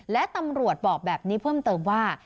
และตำรวจบอกแบบนี้เพิ่มเติมว่า